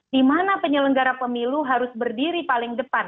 di mana penyelenggara pemilu harus berdiri paling depan